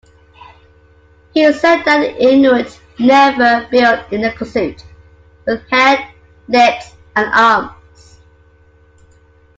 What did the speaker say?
He said that the Inuit never build inuksuit with head, legs and arms.